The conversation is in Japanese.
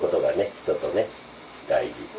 人とね大事。